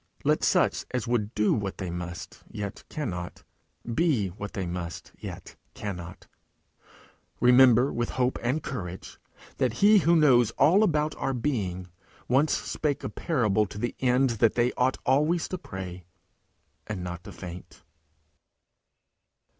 Let such as would do what they must yet cannot, be what they must yet cannot, remember, with hope and courage, that he who knows all about our being, once spake a parable to the end that they ought always to pray, and not to faint.